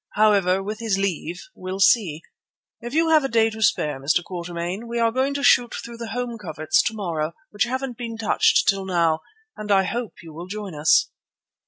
However, with his leave, we'll see. If you have a day to spare, Mr. Quatermain, we are going to shoot through the home coverts to morrow, which haven't been touched till now, and I hope you will join us."